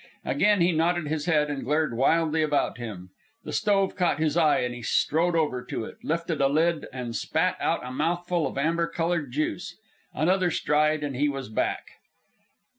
Again he nodded his head, and glared wildly about him. The stove caught his eye and he strode over to it, lifted a lid, and spat out a mouthful of amber colored juice. Another stride and he was back.